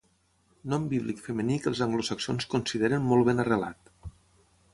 Nom bíblic femení que els anglosaxons consideren molt ben arrelat.